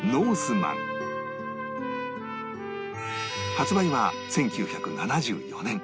発売は１９７４年